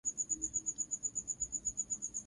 Mnyama aliyekufa kwa ugonjwa wa ndigana kali huvimba ini